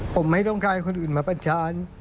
ผมไม่ต้องการให้คนอื่นมาปัญชาน